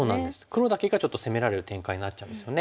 黒だけがちょっと攻められる展開になっちゃいますよね。